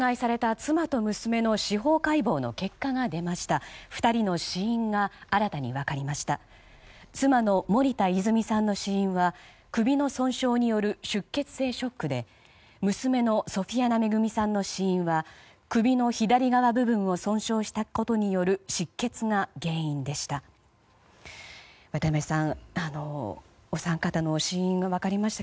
妻の森田泉さんの死因は首の損傷による出血性ショックで娘のソフィアナ恵さんの死因は首の左側部分を損傷したことによる失血が原因でした。